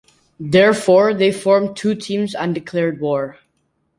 Therefore, they form two teams and declared war.